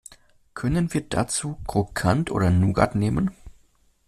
Können wir dazu Krokant oder Nougat nehmen?